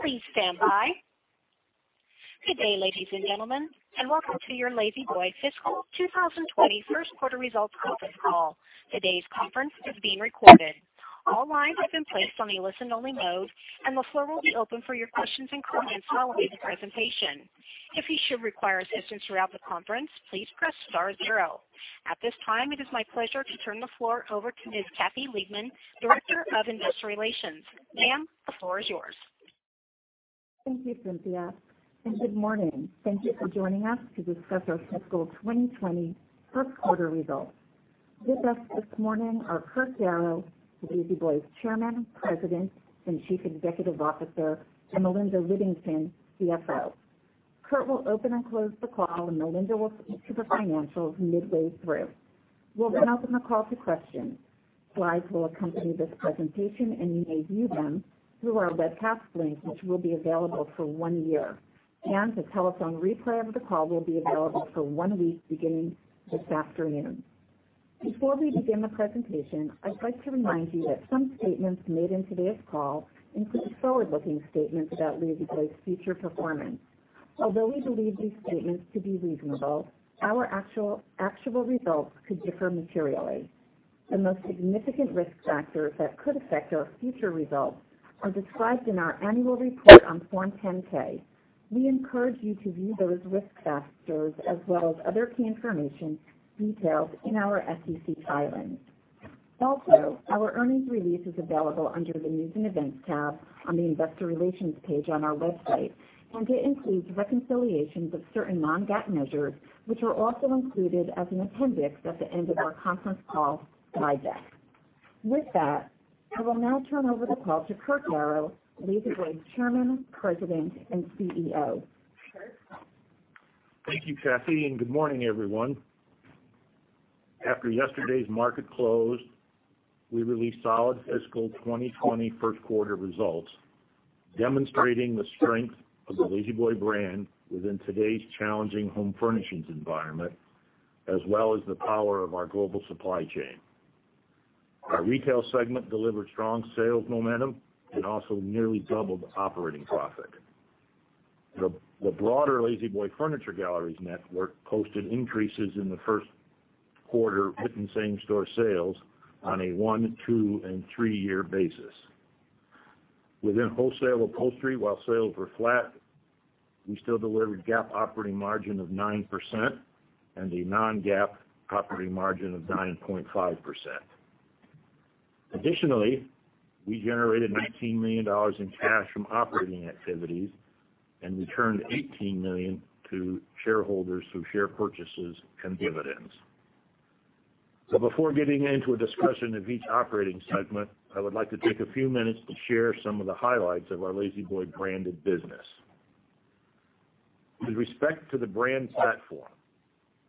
Please stand by. Good day, ladies and gentlemen, and welcome to your La-Z-Boy fiscal 2020 first quarter results conference call. Today's conference is being recorded. All lines have been placed on a listen only mode, and the floor will be open for your questions and comments following the presentation. If you should require assistance throughout the conference, please press star zero. At this time, it is my pleasure to turn the floor over to Ms. Kathy Liebmann, Director of Investor Relations. Ma'am, the floor is yours. Thank you, Cynthia. Good morning. Thank you for joining us to discuss our fiscal 2020 first quarter results. With us this morning are Kurt Darrow, La-Z-Boy's Chairman, President, and Chief Executive Officer, and Melinda Whittington, CFO. Kurt will open and close the call, and Melinda will speak to the financials midway through. We'll open the call to questions. Slides will accompany this presentation, and you may view them through our webcast link, which will be available for one year. A telephone replay of the call will be available for one week beginning this afternoon. Before we begin the presentation, I'd like to remind you that some statements made in today's call include forward-looking statements about La-Z-Boy's future performance. Although we believe these statements to be reasonable, our actual results could differ materially. The most significant risk factors that could affect our future results are described in our annual report on Form 10-K. We encourage you to view those risk factors as well as other key information detailed in our SEC filings. Also, our earnings release is available under the News & Events tab on the Investor Relations page on our website, and it includes reconciliations of certain non-GAAP measures, which are also included as an appendix at the end of our conference call slide deck. With that, I will now turn over the call to Kurt Darrow, La-Z-Boy's Chairman, President, and CEO. Kurt? Thank you, Kathy. Good morning, everyone. After yesterday's market close, we released solid fiscal 2020 first quarter results, demonstrating the strength of the La-Z-Boy brand within today's challenging home furnishings environment, as well as the power of our global supply chain. Our retail segment delivered strong sales momentum and also nearly doubled operating profit. The broader La-Z-Boy Furniture Galleries network posted increases in the first quarter with the same-store sales on a one, two, and three-year basis. Within wholesale upholstery, while sales were flat, we still delivered GAAP operating margin of 9% and a non-GAAP operating margin of 9.5%. Additionally, we generated $19 million in cash from operating activities and returned $18 million to shareholders through share purchases and dividends. Before getting into a discussion of each operating segment, I would like to take a few minutes to share some of the highlights of our La-Z-Boy branded business. With respect to the brand platform,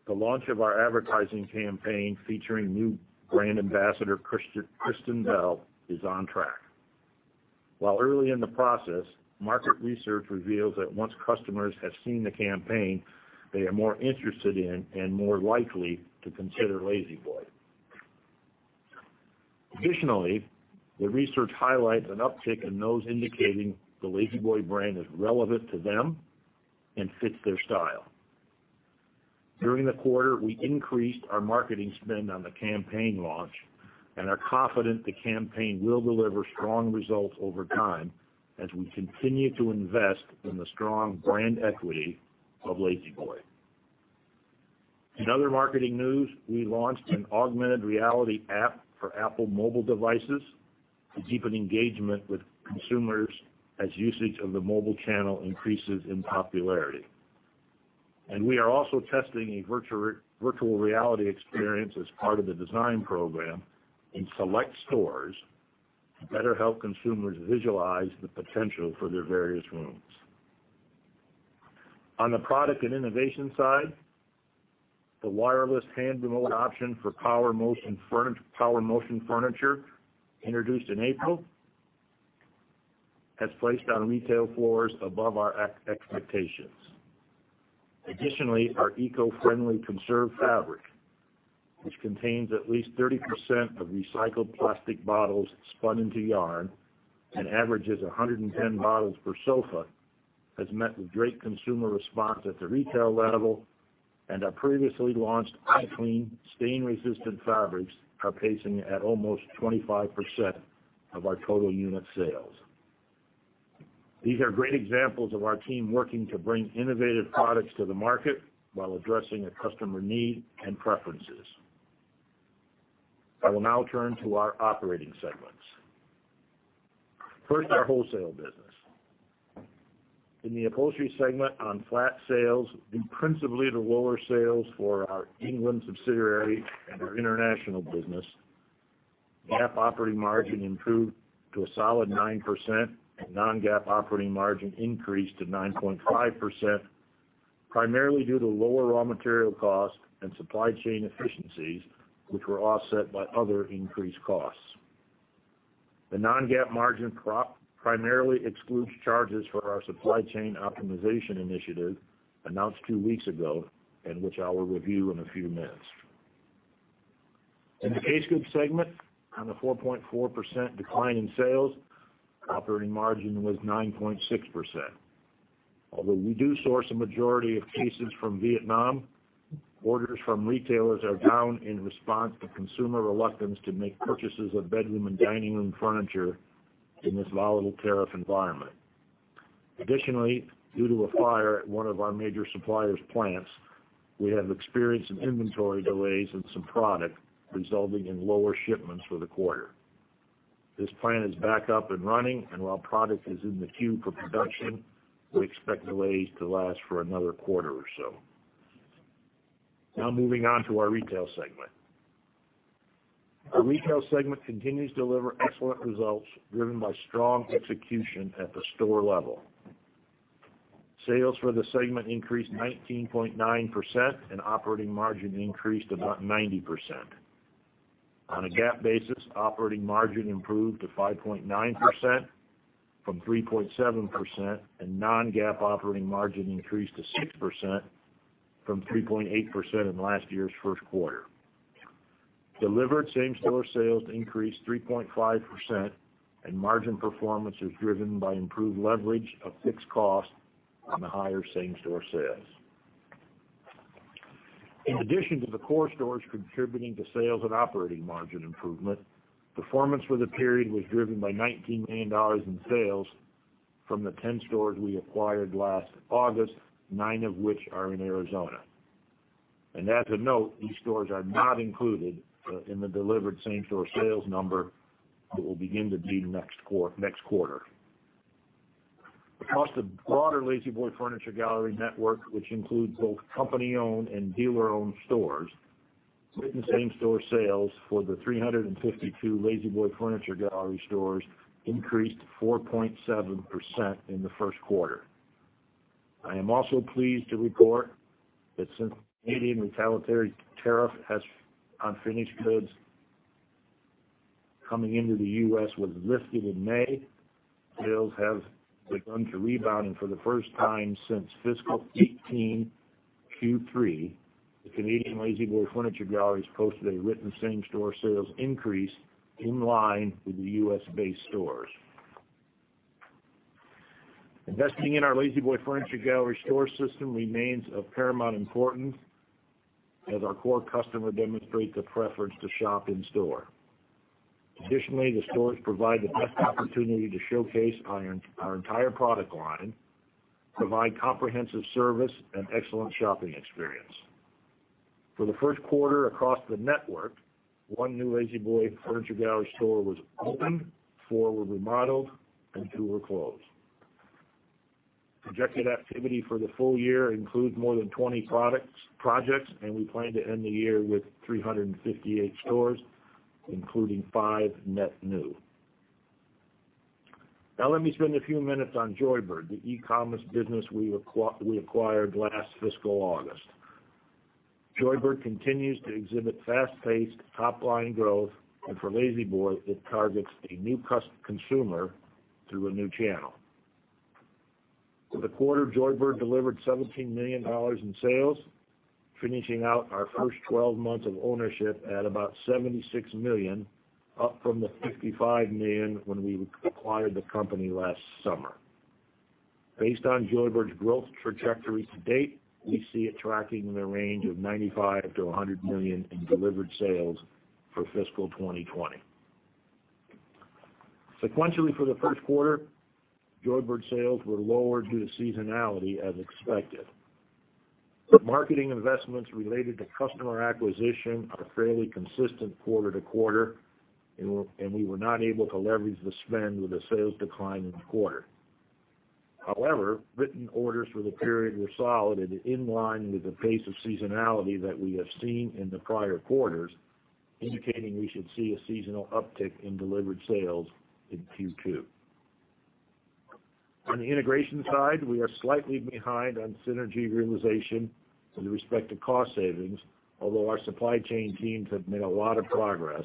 the launch of our advertising campaign featuring new brand ambassador Kristen Bell is on track. While early in the process, market research reveals that once customers have seen the campaign, they are more interested in and more likely to consider La-Z-Boy. Additionally, the research highlights an uptick in those indicating the La-Z-Boy brand is relevant to them and fits their style. During the quarter, we increased our marketing spend on the campaign launch and are confident the campaign will deliver strong results over time as we continue to invest in the strong brand equity of La-Z-Boy. In other marketing news, we launched an augmented reality app for Apple mobile devices to deepen engagement with consumers as usage of the mobile channel increases in popularity. We are also testing a virtual reality experience as part of the design program in select stores to better help consumers visualize the potential for their various rooms. On the product and innovation side, the wireless hand remote option for power motion furniture introduced in April has placed on retail floors above our expectations. Additionally, our eco-friendly conserve fabric, which contains at least 30% of recycled plastic bottles spun into yarn and averages 110 bottles per sofa, has met with great consumer response at the retail level, and our previously launched iClean stain-resistant fabrics are pacing at almost 25% of our total unit sales. These are great examples of our team working to bring innovative products to the market while addressing a customer need and preferences. I will now turn to our operating segments. First, our wholesale business. In the upholstery segment on flat sales, principally the lower sales for our England subsidiary and our international business, GAAP operating margin improved to a solid 9%, and non-GAAP operating margin increased to 9.5%, primarily due to lower raw material costs and supply chain efficiencies, which were offset by other increased costs. Which I will review in a few minutes. In the case goods segment, on the 4.4% decline in sales, operating margin was 9.6%. Although we do source a majority of cases from Vietnam, orders from retailers are down in response to consumer reluctance to make purchases of bedroom and dining room furniture in this volatile tariff environment. Additionally, due to a fire at one of our major suppliers' plants, we have experienced some inventory delays in some product, resulting in lower shipments for the quarter. This plant is back up and running, and while product is in the queue for production, we expect delays to last for another quarter or so. Moving on to our retail segment. Our retail segment continues to deliver excellent results driven by strong execution at the store level. Sales for the segment increased 19.9% and operating margin increased about 90%. On a GAAP basis, operating margin improved to 5.9% from 3.7%, and non-GAAP operating margin increased to 6% from 3.8% in last year's first quarter. Delivered same-store sales increased 3.5%, and margin performance is driven by improved leverage of fixed costs on the higher same-store sales. In addition to the core stores contributing to sales and operating margin improvement, performance for the period was driven by $19 million in sales from the 10 stores we acquired last August, nine of which are in Arizona. As a note, these stores are not included in the delivered same-store sales number that we'll begin to beat next quarter. Across the broader La-Z-Boy Furniture Gallery network, which includes both company-owned and dealer-owned stores, written same-store sales for the 352 La-Z-Boy Furniture Gallery stores increased 4.7% in the first quarter. I am also pleased to report that since the Canadian retaliatory tariff on finished goods coming into the U.S. was lifted in May, sales have begun to rebound. For the first time since fiscal 2018 Q3, the Canadian La-Z-Boy Furniture Galleries posted a written same-store sales increase in line with the U.S.-based stores. Investing in our La-Z-Boy Furniture Gallery store system remains of paramount importance as our core customer demonstrate the preference to shop in store. Additionally, the stores provide the best opportunity to showcase our entire product line, provide comprehensive service, and excellent shopping experience. For the first quarter across the network, one new La-Z-Boy Furniture Gallery store was opened, four were remodeled, and two were closed. Projected activity for the full year includes more than 20 projects, and we plan to end the year with 358 stores, including five net new. Now let me spend a few minutes on Joybird, the e-commerce business we acquired last fiscal August. Joybird continues to exhibit fast-paced top-line growth, and for La-Z-Boy, it targets a new consumer through a new channel. For the quarter, Joybird delivered $17 million in sales, finishing out our first 12 months of ownership at about $76 million, up from the $55 million when we acquired the company last summer. Based on Joybird's growth trajectory to date, we see it tracking in the range of $95 million-$100 million in delivered sales for fiscal 2020. Sequentially for the first quarter, Joybird sales were lower due to seasonality as expected. Marketing investments related to customer acquisition are fairly consistent quarter to quarter, and we were not able to leverage the spend with a sales decline in the quarter. However, written orders for the period were solid and in line with the pace of seasonality that we have seen in the prior quarters, indicating we should see a seasonal uptick in delivered sales in Q2. On the integration side, we are slightly behind on synergy realization with respect to cost savings, although our supply chain teams have made a lot of progress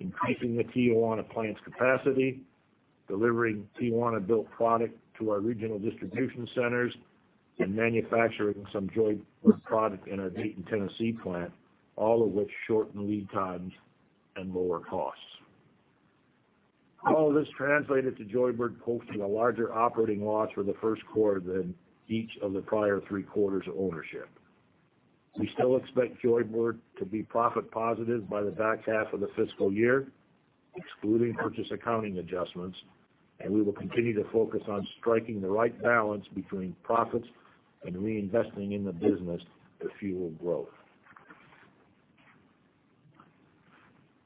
increasing the Tijuana plant's capacity, delivering Tijuana-built product to our regional distribution centers, and manufacturing some Joybird product in our Dayton, Tennessee, plant, all of which shorten lead times and lower costs. All of this translated to Joybird posting a larger operating loss for the first quarter than each of the prior three quarters of ownership. We still expect Joybird to be profit positive by the back half of the fiscal year, excluding purchase accounting adjustments, and we will continue to focus on striking the right balance between profits and reinvesting in the business to fuel growth.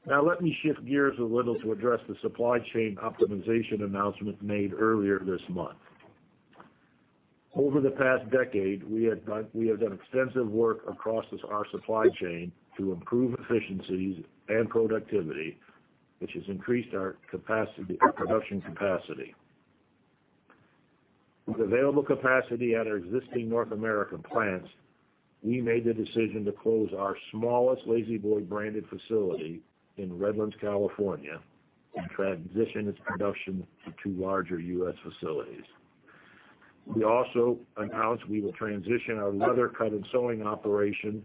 Now let me shift gears a little to address the supply chain optimization announcement made earlier this month. Over the past decade, we have done extensive work across our supply chain to improve efficiencies and productivity, which has increased our production capacity. With available capacity at our existing North American plants, we made the decision to close our smallest La-Z-Boy branded facility in Redlands, California, and transition its production to two larger U.S. facilities. We also announced we will transition our leather cut and sewing operation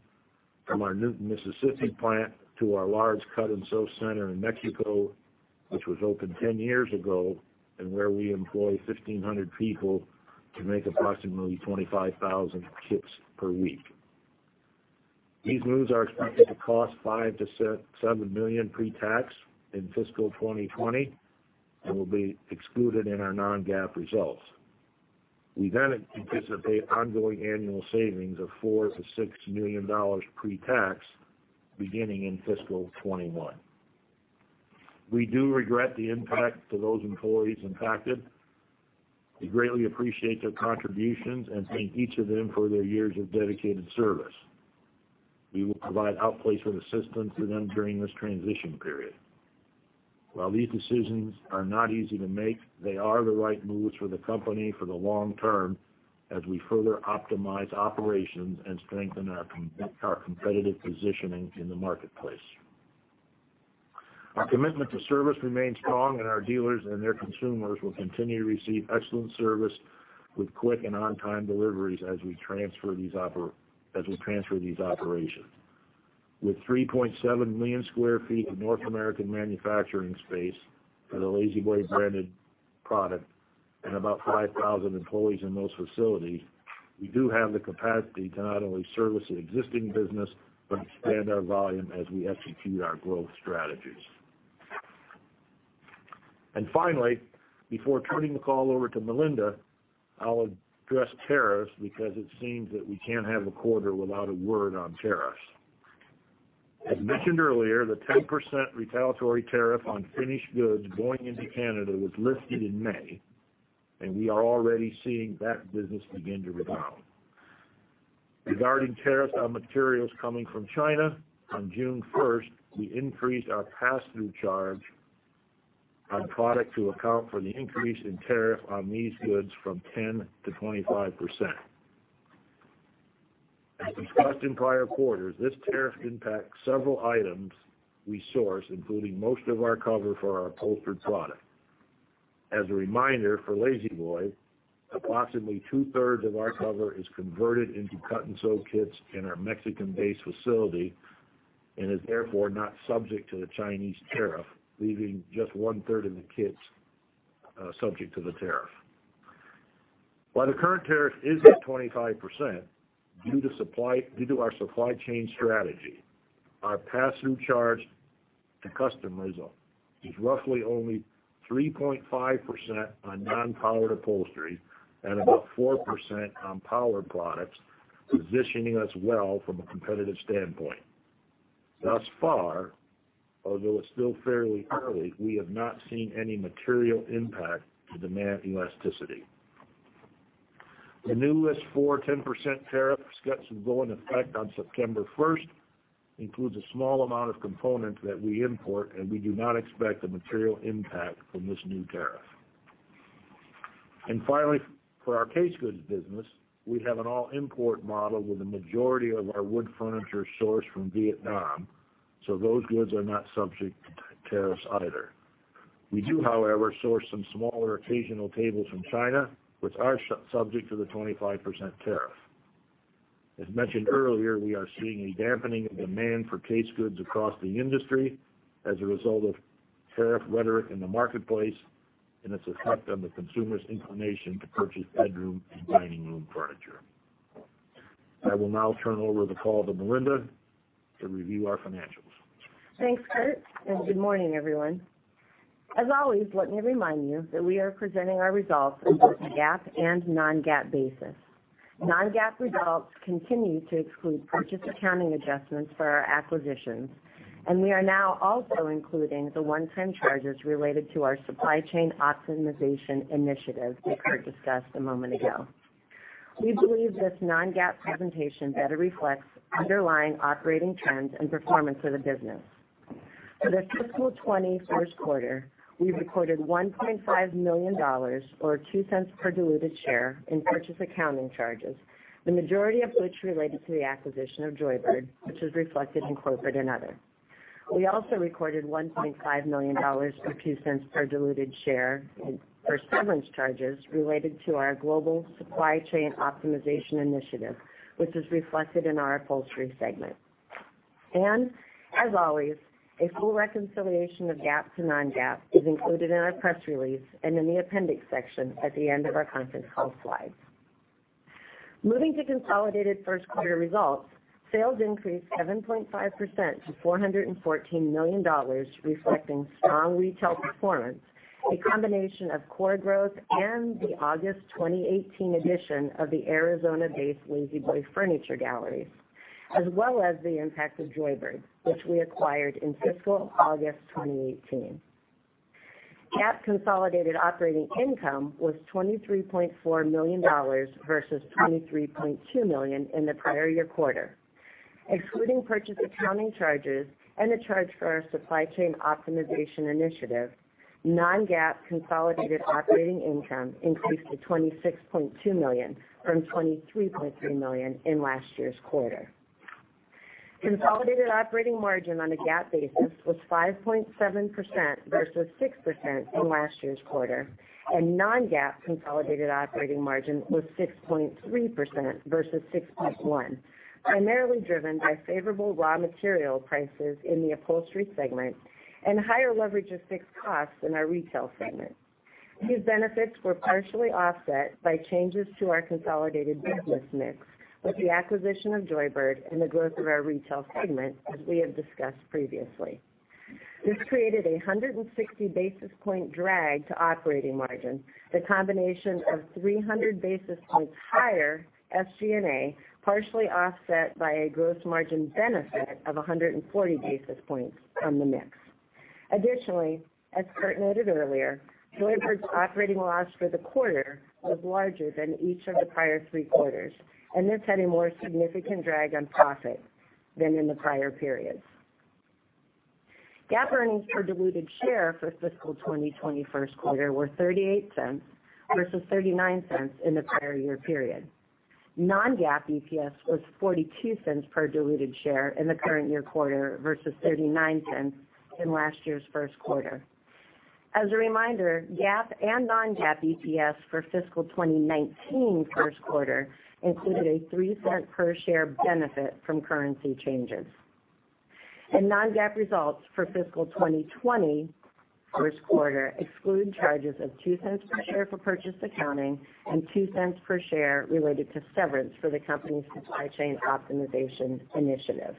from our Newton, Mississippi plant to our large cut and sew center in Mexico, which was opened 10 years ago, and where we employ 1,500 people to make approximately 25,000 kits per week. These moves are expected to cost $5 million-$7 million pre-tax in fiscal 2020 and will be excluded in our non-GAAP results. We anticipate ongoing annual savings of $4 million-$6 million pre-tax beginning in fiscal 2021. We do regret the impact to those employees impacted. We greatly appreciate their contributions and thank each of them for their years of dedicated service. We will provide outplacement assistance to them during this transition period. While these decisions are not easy to make, they are the right moves for the company for the long term as we further optimize operations and strengthen our competitive positioning in the marketplace. Our commitment to service remains strong, and our dealers and their consumers will continue to receive excellent service with quick and on-time deliveries as we transfer these operations. With 3.7 million square feet of North American manufacturing space for the La-Z-Boy branded product and about 5,000 employees in those facilities, we do have the capacity to not only service the existing business but expand our volume as we execute our growth strategies. Finally, before turning the call over to Melinda, I'll address tariffs because it seems that we can't have a quarter without a word on tariffs. As mentioned earlier, the 10% retaliatory tariff on finished goods going into Canada was lifted in May, and we are already seeing that business begin to rebound. Regarding tariffs on materials coming from China, on June 1st, we increased our pass-through charge on product to account for the increase in tariff on these goods from 10% to 25%. As discussed in prior quarters, this tariff impacts several items we source, including most of our cover for our upholstered product. As a reminder, for La-Z-Boy, approximately two-thirds of our cover is converted into cut and sew kits in our Mexican-based facility and is therefore not subject to the Chinese tariff, leaving just one-third of the kits subject to the tariff. While the current tariff is at 25%, due to our supply chain strategy, our pass-through charge to customers is roughly only 3.5% on non-powered upholstery and about 4% on powered products, positioning us well from a competitive standpoint. Thus far, although it's still fairly early, we have not seen any material impact to demand elasticity. The newest 4-10% tariff, set to go into effect on September 1st, includes a small amount of components that we import, and we do not expect a material impact from this new tariff. Finally, for our case goods business, we have an all-import model with the majority of our wood furniture sourced from Vietnam, so those goods are not subject to tariffs either. We do, however, source some smaller occasional tables from China, which are subject to the 25% tariff. As mentioned earlier, we are seeing a dampening of demand for case goods across the industry as a result of tariff rhetoric in the marketplace and its effect on the consumer's inclination to purchase bedroom and dining room furniture. I will now turn over the call to Melinda to review our financials. Thanks, Kurt, good morning, everyone. As always, let me remind you that we are presenting our results on both GAAP and non-GAAP basis. Non-GAAP results continue to exclude purchase accounting adjustments for our acquisitions, we are now also including the one-time charges related to our supply chain optimization initiative that Kurt discussed a moment ago. We believe this non-GAAP presentation better reflects underlying operating trends and performance of the business. For the fiscal 2020 first quarter, we recorded $1.5 million, or $0.02 per diluted share in purchase accounting charges, the majority of which related to the acquisition of Joybird, which is reflected in corporate and other. We also recorded $1.5 million or $0.02 per diluted share for severance charges related to our global supply chain optimization initiative, which is reflected in our upholstery segment. As always, a full reconciliation of GAAP to non-GAAP is included in our press release and in the appendix section at the end of our conference call slides. Moving to consolidated first quarter results, sales increased 7.5% to $414 million, reflecting strong retail performance, a combination of core growth and the August 2018 edition of the Arizona-based La-Z-Boy Furniture Galleries, as well as the impact of Joybird, which we acquired in fiscal August 2018. GAAP consolidated operating income was $23.4 million versus $23.2 million in the prior year quarter. Excluding purchase accounting charges and the charge for our supply chain optimization initiative, non-GAAP consolidated operating income increased to $26.2 million from $23.3 million in last year's quarter. Consolidated operating margin on a GAAP basis was 5.7% versus 6% in last year's quarter, and non-GAAP consolidated operating margin was 6.3% versus 6.1%, primarily driven by favorable raw material prices in the Upholstery segment and higher leverage of fixed costs in our Retail segment. These benefits were partially offset by changes to our consolidated business mix with the acquisition of Joybird and the growth of our Retail segment, as we have discussed previously. This created a 160 basis points drag to operating margin, the combination of 300 basis points higher SG&A, partially offset by a gross margin benefit of 140 basis points on the mix. Additionally, as Kurt noted earlier, Joybird's operating loss for the quarter was larger than each of the prior three quarters, and this had a more significant drag on profit than in the prior periods. GAAP earnings per diluted share for fiscal 2020 first quarter were $0.38 versus $0.39 in the prior year period. Non-GAAP EPS was $0.42 per diluted share in the current year quarter versus $0.39 in last year's first quarter. As a reminder, GAAP and non-GAAP EPS for fiscal 2019 first quarter included a $0.03 per share benefit from currency changes. Non-GAAP results for fiscal 2020 first quarter exclude charges of $0.02 per share for purchase accounting and $0.02 per share related to severance for the company's supply chain optimization initiative.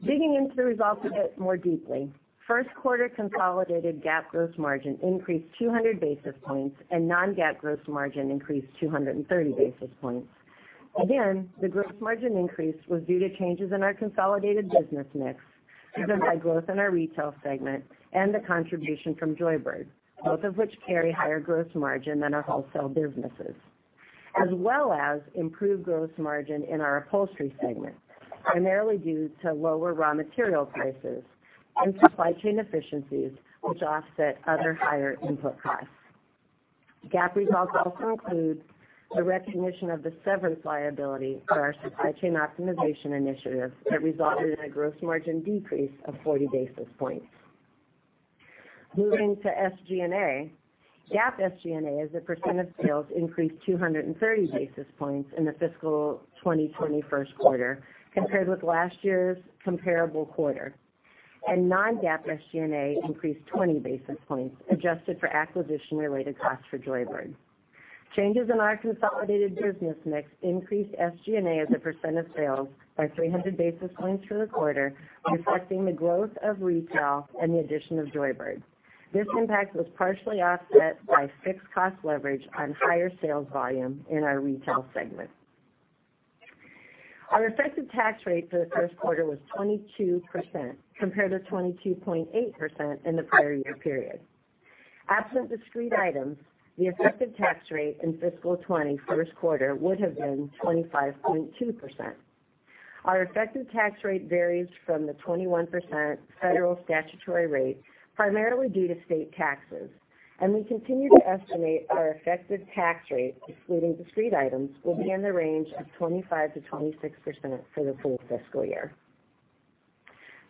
Digging into the results a bit more deeply, first quarter consolidated GAAP gross margin increased 200 basis points and non-GAAP gross margin increased 230 basis points. The gross margin increase was due to changes in our consolidated business mix driven by growth in our Retail segment and the contribution from Joybird, both of which carry higher gross margin than our wholesale businesses, as well as improved gross margin in our Upholstery segment, primarily due to lower raw material prices and supply chain efficiencies, which offset other higher input costs. GAAP results also include the recognition of the severance liability for our supply chain optimization initiative that resulted in a gross margin decrease of 40 basis points. Moving to SG&A, GAAP SG&A as a percent of sales increased 230 basis points in the fiscal 2020 first quarter compared with last year's comparable quarter, and non-GAAP SG&A increased 20 basis points adjusted for acquisition-related costs for Joybird. Changes in our consolidated business mix increased SG&A as a percent of sales by 300 basis points for the quarter, reflecting the growth of Retail and the addition of Joybird. This impact was partially offset by fixed cost leverage on higher sales volume in our Retail segment. Our effective tax rate for the first quarter was 22% compared to 22.8% in the prior year period. Absent discrete items, the effective tax rate in fiscal 2020 first quarter would have been 25.2%. Our effective tax rate varies from the 21% federal statutory rate, primarily due to state taxes, and we continue to estimate our effective tax rate, excluding discrete items, will be in the range of 25%-26% for the full fiscal year.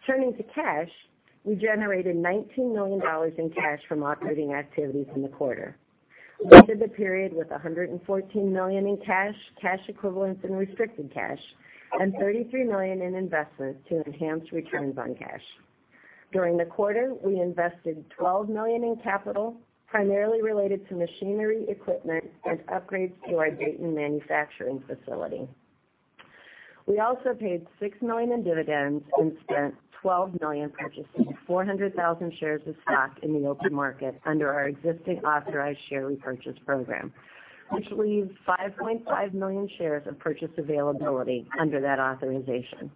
Turning to cash, we generated $19 million in cash from operating activities in the quarter. We entered the period with $114 million in cash equivalents and restricted cash, and $33 million in investments to enhance returns on cash. During the quarter, we invested $12 million in capital, primarily related to machinery, equipment, and upgrades to our Dayton manufacturing facility. We also paid $6 million in dividends and spent $12 million purchasing 400,000 shares of stock in the open market under our existing authorized share repurchase program, which leaves 5.5 million shares of purchase availability under that authorization.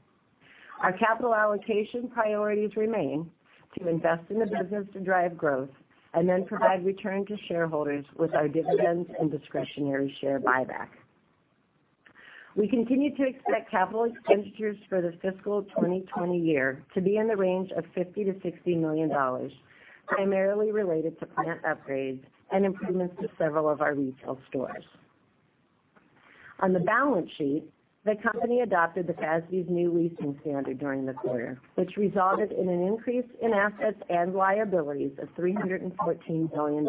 Our capital allocation priorities remain to invest in the business to drive growth and then provide return to shareholders with our dividends and discretionary share buyback. We continue to expect capital expenditures for the fiscal 2020 year to be in the range of $50 million-$60 million, primarily related to plant upgrades and improvements to several of our retail stores. On the balance sheet, the company adopted the FASB's new leasing standard during the quarter, which resulted in an increase in assets and liabilities of $314 million.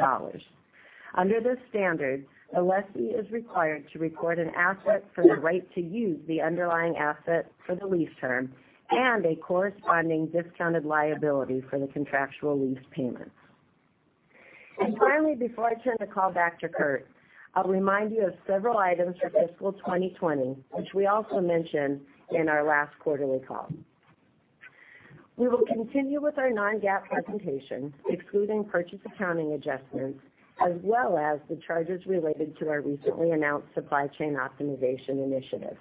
Under this standard, a lessee is required to record an asset for the right to use the underlying asset for the lease term and a corresponding discounted liability for the contractual lease payments. Finally, before I turn the call back to Kurt, I'll remind you of several items for fiscal 2020, which we also mentioned in our last quarterly call. We will continue with our non-GAAP presentation, excluding purchase accounting adjustments, as well as the charges related to our recently announced Supply Chain Optimization Initiative.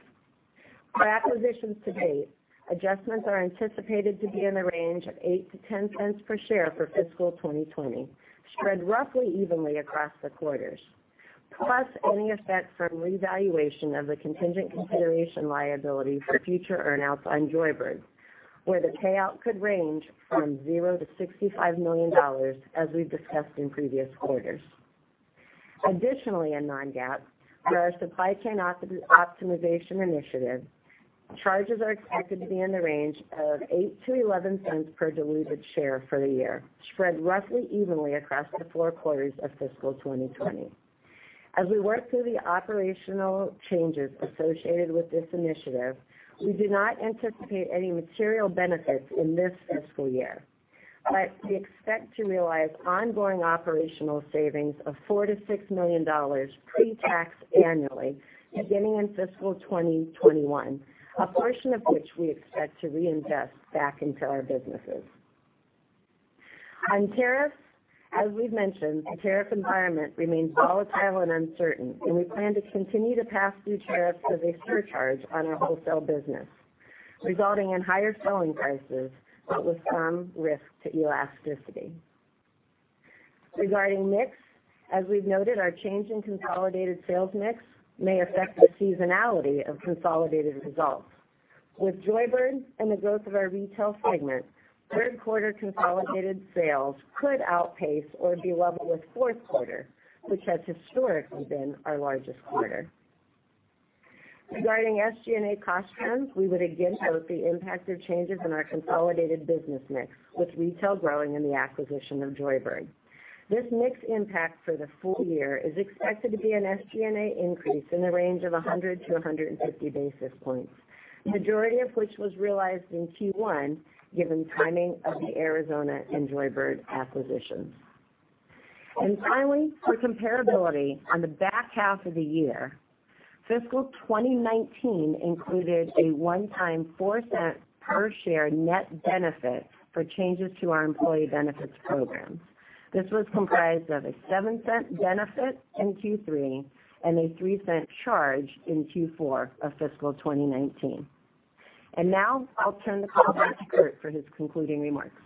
For acquisitions to date, adjustments are anticipated to be in the range of $0.08-$0.10 per share for fiscal 2020, spread roughly evenly across the quarters, plus any effect from revaluation of the contingent consideration liability for future earn-outs on Joybird, where the payout could range from $0-$65 million as we've discussed in previous quarters. In non-GAAP, for our Supply Chain Optimization Initiative, charges are expected to be in the range of $0.08-$0.11 per diluted share for the year, spread roughly evenly across the four quarters of fiscal 2020. As we work through the operational changes associated with this initiative, we do not anticipate any material benefits in this fiscal year. We expect to realize ongoing operational savings of $4 million-$6 million pre-tax annually, beginning in fiscal 2021, a portion of which we expect to reinvest back into our businesses. Tariffs, as we've mentioned, the tariff environment remains volatile and uncertain, and we plan to continue to pass through tariffs as a surcharge on our wholesale business, resulting in higher selling prices, but with some risk to elasticity. Regarding mix, as we've noted, our change in consolidated sales mix may affect the seasonality of consolidated results. With Joybird and the growth of our retail segment, third quarter consolidated sales could outpace or be level with fourth quarter, which has historically been our largest quarter. Regarding SG&A cost trends, we would again note the impact of changes in our consolidated business mix, with retail growing in the acquisition of Joybird. This mix impact for the full year is expected to be an SG&A increase in the range of 100-150 basis points, the majority of which was realized in Q1, given timing of the Arizona and Joybird acquisitions. Finally, for comparability on the back half of the year, fiscal 2019 included a one-time $0.04 per share net benefit for changes to our employee benefits programs. This was comprised of a $0.07 benefit in Q3 and a $0.03 charge in Q4 of fiscal 2019. Now I'll turn the call back to Kurt for his concluding remarks.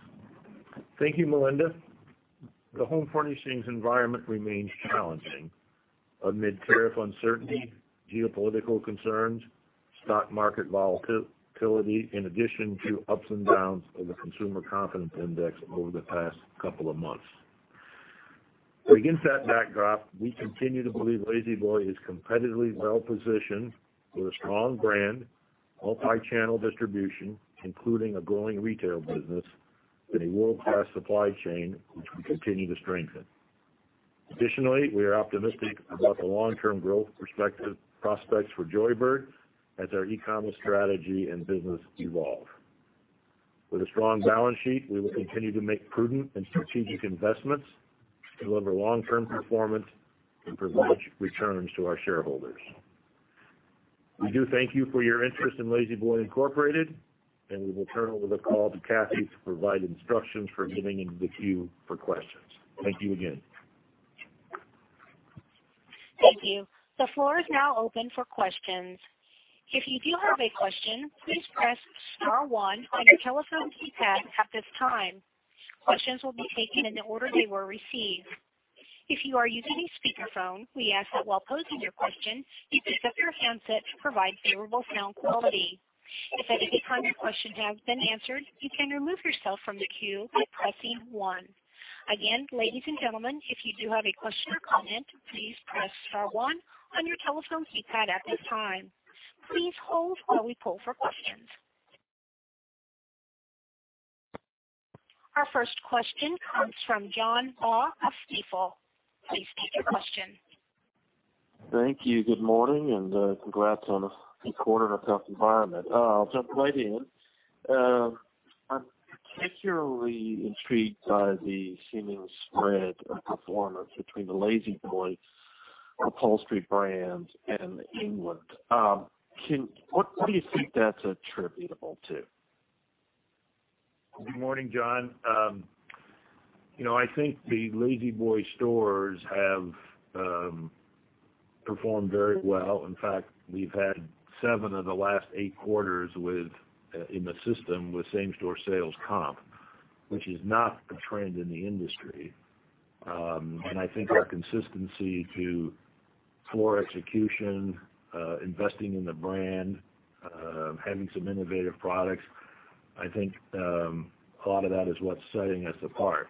Thank you, Melinda. The home furnishings environment remains challenging amid tariff uncertainty, geopolitical concerns, stock market volatility, in addition to ups and downs of the consumer confidence index over the past couple of months. Against that backdrop, we continue to believe La-Z-Boy is competitively well-positioned with a strong brand, multi-channel distribution, including a growing retail business, and a world-class supply chain which we continue to strengthen. Additionally, we are optimistic about the long-term growth prospects for Joybird as our e-commerce strategy and business evolve. With a strong balance sheet, we will continue to make prudent and strategic investments to deliver long-term performance and provide returns to our shareholders. We do thank you for your interest in La-Z-Boy Incorporated, and we will turn over the call to Kathy to provide instructions for getting into the queue for questions. Thank you again. Thank you. The floor is now open for questions. If you do have a question, please press star one on your telephone keypad at this time. Questions will be taken in the order they were received. If you are using a speakerphone, we ask that while posing your question, you pick up your handset to provide favorable sound quality. If at any time your question has been answered, you can remove yourself from the queue by pressing one. Again, ladies and gentlemen, if you do have a question or comment, please press star one on your telephone keypad at this time. Please hold while we poll for questions. Our first question comes from John Baugh of Stifel. Please state your question. Thank you. Good morning. Congrats on a good quarter in a tough environment. I'll jump right in. I'm particularly intrigued by the seeming spread of performance between the La-Z-Boy upholstery brands and England. What do you think that's attributable to? Good morning, John. I think the La-Z-Boy stores have performed very well. In fact, we've had seven of the last eight quarters in the system with same-store sales comp, which is not a trend in the industry. I think our consistency to floor execution, investing in the brand, having some innovative products, I think a lot of that is what's setting us apart.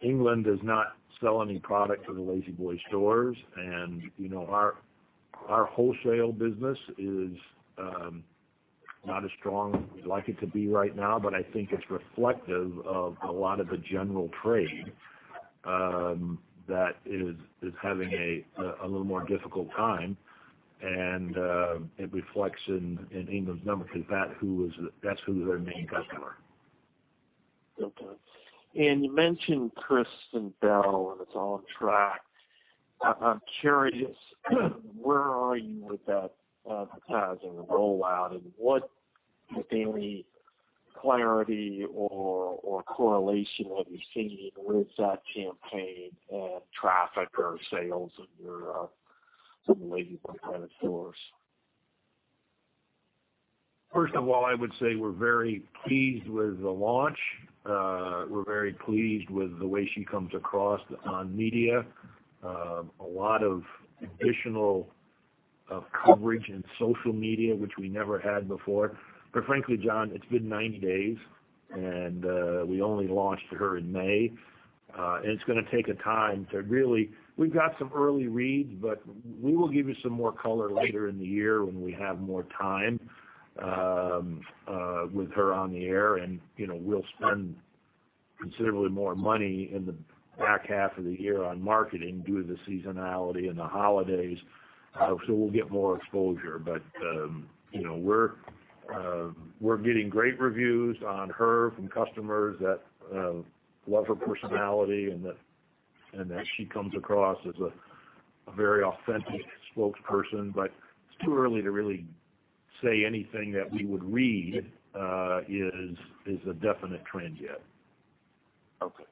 England does not sell any product to the La-Z-Boy stores, and our wholesale business is not as strong as we'd like it to be right now, but I think it's reflective of a lot of the general trade that is having a little more difficult time and it reflects in England's number because that's who their main customer. Okay. You mentioned Kristen Bell. It's on track. I'm curious, where are you with that advertising rollout, and what, if any, clarity or correlation have you seen with that campaign on traffic or sales of your La-Z-Boy branded stores? First of all, I would say we're very pleased with the launch. We're very pleased with the way she comes across on media. A lot of additional coverage in social media, which we never had before. Frankly, John, it's been 90 days, and we only launched her in May. It's going to take a time to really. We've got some early reads, but we will give you some more color later in the year when we have more time with her on the air. We'll spend considerably more money in the back half of the year on marketing due to the seasonality and the holidays, so we'll get more exposure. We're getting great reviews on her from customers that love her personality and that she comes across as a very authentic spokesperson. It's too early to really say anything that we would read is a definite trend yet. Okay.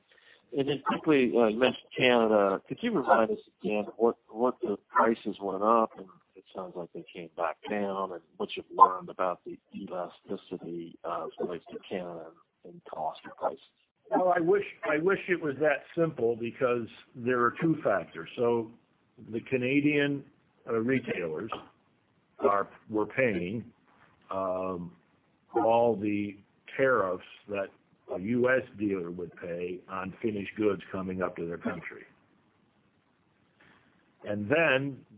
Quickly, you mentioned Canada. Could you remind us again what the prices went up, and it sounds like they came back down, and what you've learned about the elasticity as it relates to Canada and cost or prices? Well, I wish it was that simple because there are two factors. The Canadian retailers were paying all the tariffs that a U.S. dealer would pay on finished goods coming up to their country.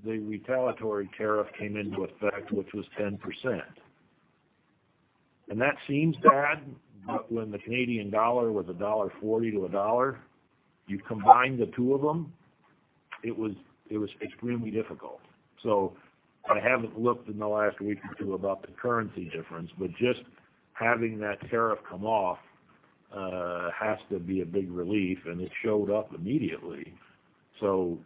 The retaliatory tariff came into effect, which was 10%. That seems bad, but when the Canadian dollar was $1.40 to $1, you combine the two of them, it was extremely difficult. I haven't looked in the last week or two about the currency difference, but just having that tariff come off has to be a big relief, and it showed up immediately.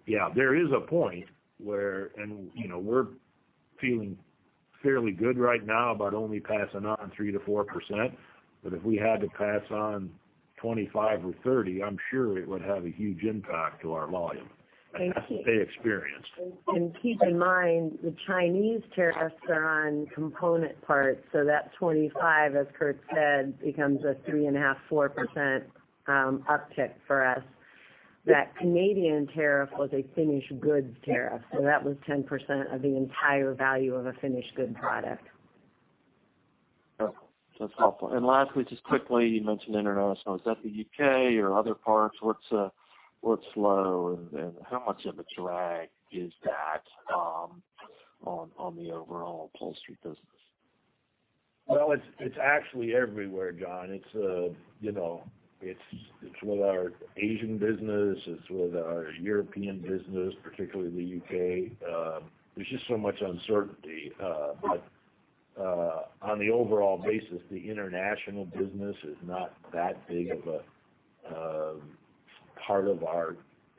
Yeah, there is a point where we're feeling fairly good right now about only passing on 3% to 4%, but if we had to pass on 25 or 30, I'm sure it would have a huge impact to our volume, as they experienced. Keep in mind, the Chinese tariffs are on component parts, so that 25, as Kurt said, becomes a 3.5%, 4% uptick for us. That Canadian tariff was a finished goods tariff, so that was 10% of the entire value of a finished good product. Okay. That's helpful. Lastly, just quickly, you mentioned international. Is that the U.K. or other parts? What's low, and how much of a drag is that on the overall upholstery business? Well, it's actually everywhere, John. It's with our Asian business, it's with our European business, particularly the U.K. There's just so much uncertainty. On the overall basis, the international business is not that big of a part of our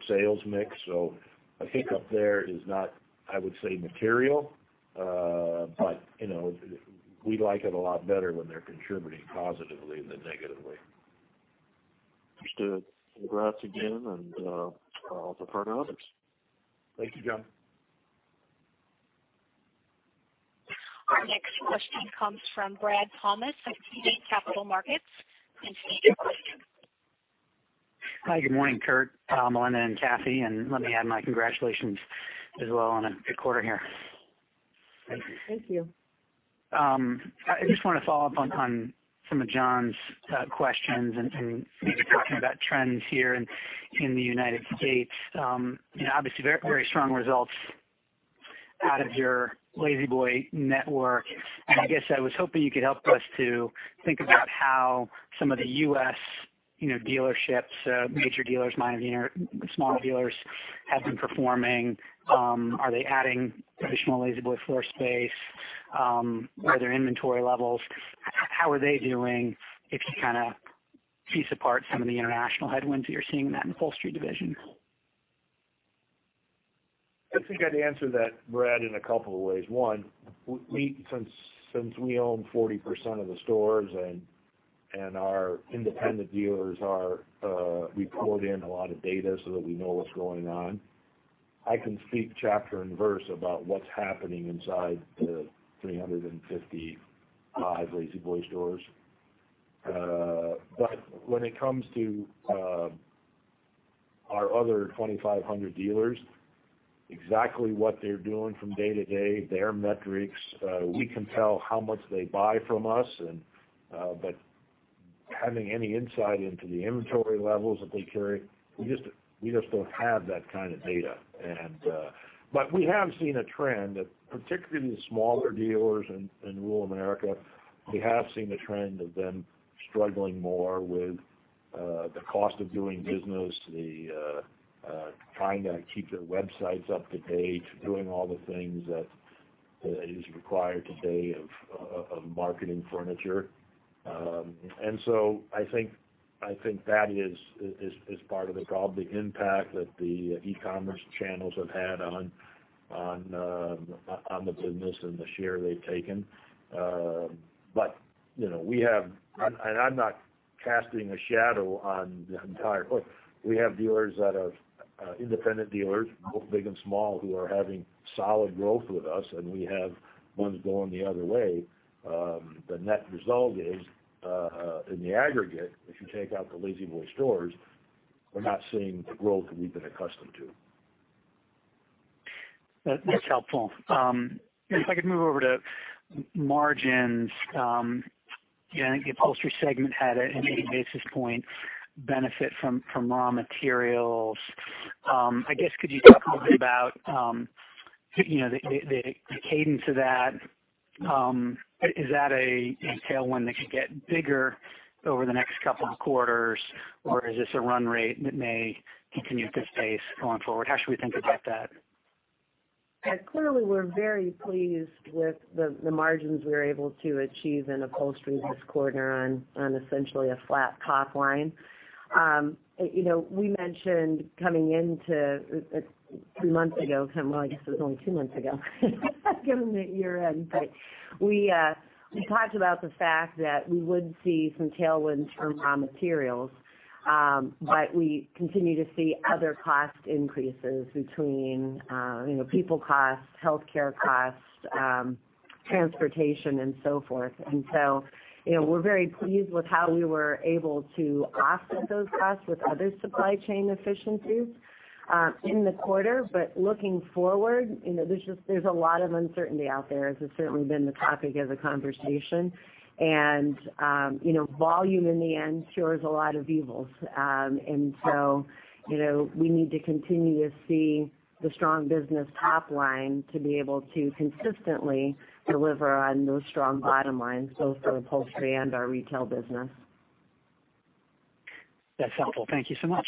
sales mix, so I think up there is not, I would say, material. We like it a lot better when they're contributing positively than negatively. Understood. Congrats again, and all the best. Thank you, John. Our next question comes from Brad Thomas at KeyBanc Capital Markets. State your question. Hi, good morning, Kurt, Melinda, and Kathy. Let me add my congratulations as well on a good quarter here. Thank you. I just want to follow up on some of John's questions and maybe talking about trends here in the U.S. Obviously, very strong results out of your La-Z-Boy network. I guess I was hoping you could help us to think about how some of the U.S. dealerships, major dealers, minor dealers, smaller dealers, have been performing. Are they adding additional La-Z-Boy floor space? Are there inventory levels? How are they doing if you piece apart some of the international headwinds you're seeing in that upholstery division? I think I'd answer that, Brad, in a couple of ways. One, since we own 40% of the stores and our independent dealers, we pulled in a lot of data so that we know what's going on. I can speak chapter and verse about what's happening inside the 355 La-Z-Boy stores. When it comes to our other 2,500 dealers, exactly what they're doing from day to day, their metrics, we can tell how much they buy from us. Having any insight into the inventory levels that they carry, we just don't have that kind of data. We have seen a trend that particularly the smaller dealers in rural America, we have seen a trend of them struggling more with the cost of doing business, the trying to keep their websites up to date, doing all the things that is required today of marketing furniture. I think that is part of the problem, the impact that the e-commerce channels have had on the business and the share they've taken. We have I'm not casting a shadow on the entire group. We have dealers that are independent dealers, both big and small, who are having solid growth with us, and we have ones going the other way. The net result is, in the aggregate, if you take out the La-Z-Boy stores, we're not seeing the growth that we've been accustomed to. That's helpful. If I could move over to margins. The upholstery segment had a maybe basis point benefit from raw materials. I guess, could you talk a little bit about the cadence of that? Is that a tailwind that could get bigger over the next couple of quarters, or is this a run rate that may continue to pace going forward? How should we think about that? Yeah. Clearly, we're very pleased with the margins we were able to achieve in upholstery this quarter on essentially a flat top line. We mentioned coming into three months ago, well, I guess it was only two months ago, given the year-end, but we talked about the fact that we would see some tailwind from raw materials. We continue to see other cost increases between people cost, healthcare cost, transportation, and so forth. We're very pleased with how we were able to offset those costs with other supply chain efficiencies in the quarter. Looking forward, there's a lot of uncertainty out there, as has certainly been the topic of the conversation. Volume in the end cures a lot of evils. We need to continue to see the strong business top line to be able to consistently deliver on those strong bottom lines, both for upholstery and our retail business. That's helpful. Thank you so much.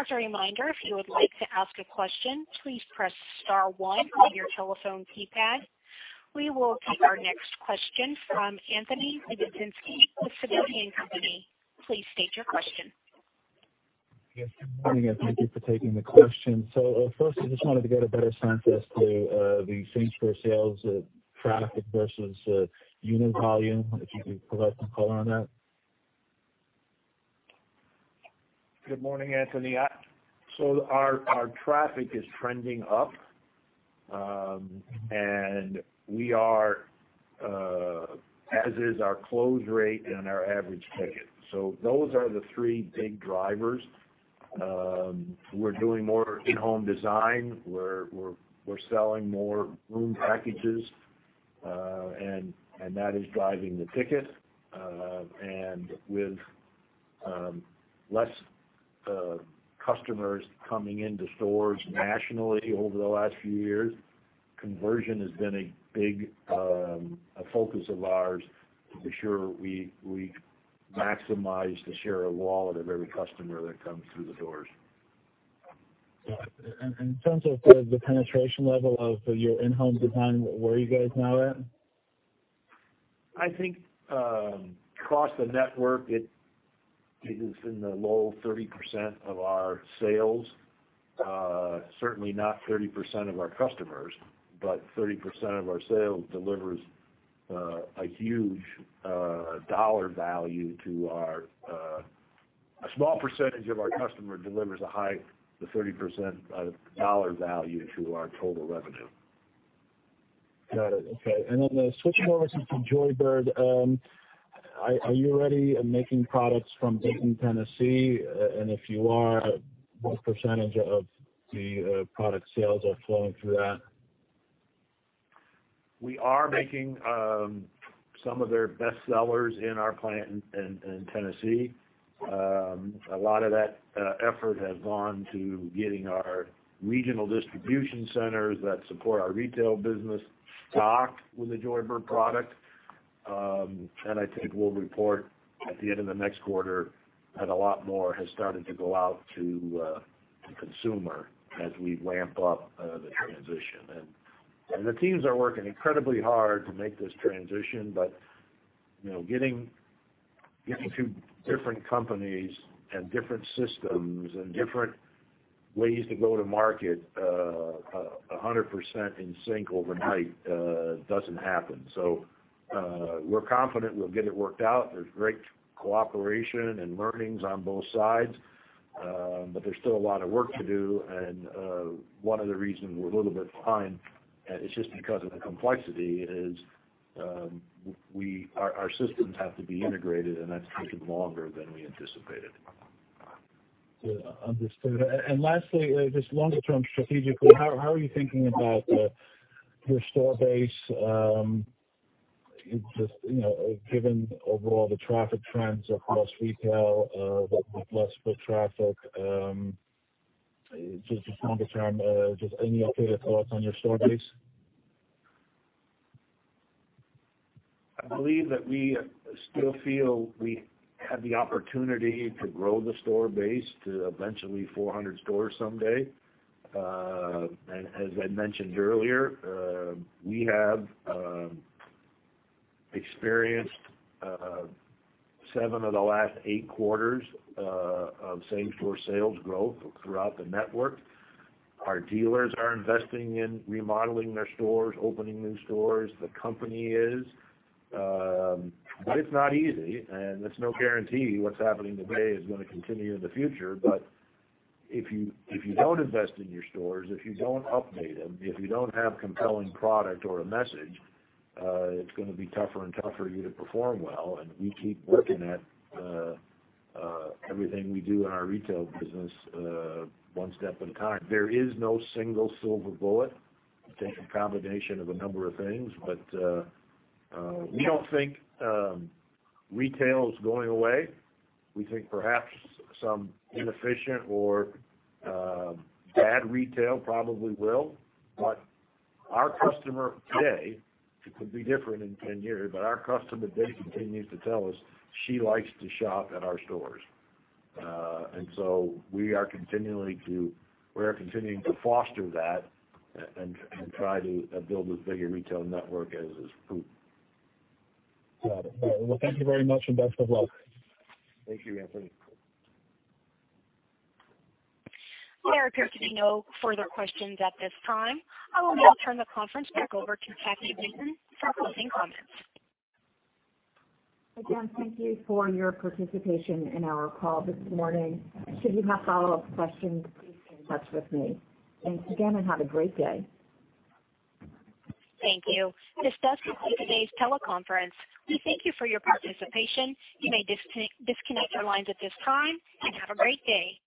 As a reminder, if you would like to ask a question, please press star one on your telephone keypad. We will take our next question from Anthony Lebiedzinski with Sidoti & Company. Please state your question. Yes, good morning. Thank you for taking the question. First, I just wanted to get a better sense as to the same-store sales traffic versus unit volume, if you could provide some color on that. Good morning, Anthony Lebiedzinski. Our traffic is trending up, and we are, as is our close rate and our average ticket. Those are the three big drivers. We're doing more in-home design. We're selling more room packages. That is driving the ticket. With less customers coming into stores nationally over the last few years, conversion has been a big focus of ours to be sure we maximize the share of wallet of every customer that comes through the doors. Got it. In terms of the penetration level of your in-home design, where are you guys now at? I think, across the network, it is in the low 30% of our sales. Certainly not 30% of our customers, but a small percentage of our customer delivers a high to 30% of dollar value to our total revenue. Got it. Okay. Switching over to Joybird. Are you already making products from Dayton, Tennessee? If you are, what percentage of the product sales are flowing through that? We are making some of their best sellers in our plant in Tennessee. A lot of that effort has gone to getting our regional distribution centers that support our retail business stocked with the Joybird product. I think we'll report at the end of the next quarter that a lot more has started to go out to the consumer as we ramp up the transition. The teams are working incredibly hard to make this transition, but getting two different companies and different systems and different ways to go to market 100% in sync overnight doesn't happen. We're confident we'll get it worked out. There's great cooperation and learnings on both sides. There's still a lot of work to do, and one of the reasons we're a little bit behind, it's just because of the complexity is our systems have to be integrated, and that's taken longer than we anticipated. Understood. Lastly, just longer term strategically, how are you thinking about your store base? Just given overall the traffic trends across retail, with less foot traffic, just longer term, just any updated thoughts on your store base? I believe that we still feel we have the opportunity to grow the store base to eventually 400 stores someday. As I mentioned earlier, we have experienced seven of the last eight quarters of same-store sales growth throughout the network. Our dealers are investing in remodeling their stores, opening new stores. The company is. It's not easy, and it's no guarantee what's happening today is going to continue in the future. If you don't invest in your stores, if you don't update them, if you don't have compelling product or a message, it's going to be tougher and tougher for you to perform well, and we keep working at everything we do in our retail business one step at a time. There is no single silver bullet. It takes a combination of a number of things. We don't think retail is going away. We think perhaps some inefficient or bad retail probably will. Our customer today, it could be different in 10 years, but our customer today continues to tell us she likes to shop at our stores. We are continuing to foster that and try to build as big a retail network as is prudent. Got it. All right. Well, thank you very much, and best of luck. Thank you, Anthony. There appear to be no further questions at this time. I will now turn the conference back over to Kathy Liebmann for closing comments. Again, thank you for your participation in our call this morning. Should you have follow-up questions, please get in touch with me. Thanks again, and have a great day. Thank you. This does conclude today's teleconference. We thank you for your participation. You may disconnect your lines at this time, and have a great day.